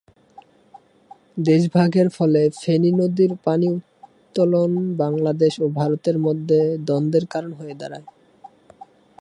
দেশভাগের ফলে ফেনী নদীর পানি উত্তোলন বাংলাদেশ ও ভারতের মধ্যে দ্বন্দ্বের কারণ হয়ে দাঁড়ায়।